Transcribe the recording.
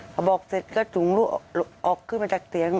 พอบอกเสร็จก็จุงลูกออกขึ้นมาจากเตียง